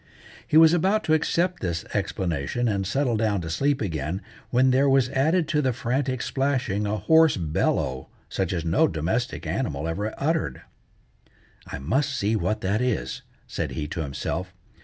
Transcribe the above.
He was about to accept this explanation and settle down to sleep again, when there was added to the frantic splashing a hoarse bellow such as no domestic animal ever uttered. "I must see what that is," said he to himself.